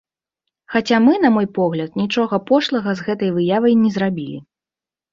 Хаця мы, на мой погляд, нічога пошлага з гэтай выявай не зрабілі.